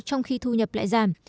trong khi thu nhập lại giảm